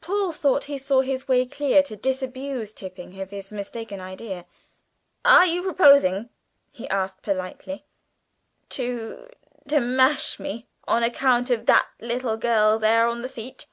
Paul thought he saw his way clear to disabuse Tipping of his mistaken idea. "Are you proposing," he asked politely, "to to 'mash' me on account of that little girl there on the seat?"